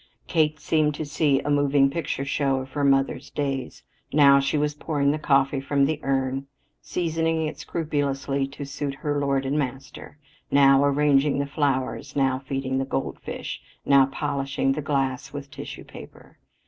Kate seemed to see a moving picture show of her mother's days. Now she was pouring the coffee from the urn, seasoning it scrupulously to suit her lord and master, now arranging the flowers, now feeding the goldfish; now polishing the glass with tissue paper.